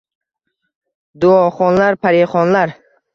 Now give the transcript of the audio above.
Duoxonlar, parixonlar